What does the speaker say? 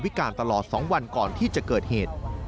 การตลอด๒วันก่อนที่จะเกิดเหตุ